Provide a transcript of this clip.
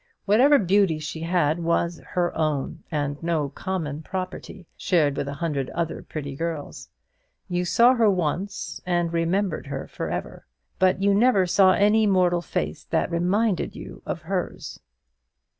Whatever beauty she had was her own, and no common property shared with a hundred other pretty girls. You saw her once, and remembered her for ever; but you never saw any mortal face that reminded you of hers.